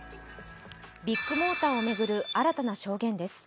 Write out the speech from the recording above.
ビッグモーターを巡る新たな証言です。